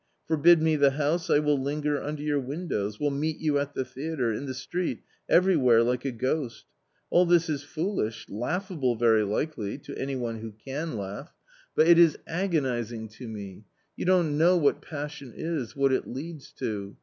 Forbid me the house, I will linger under your windows, will meet you at the theatre, in the street, everywhere, like a ghost. All this is foolish, laughable very likely — to any one who can laugh — but it is 124 A COMMON STORY agonizing to me ! You don't know what passion is — what it leads to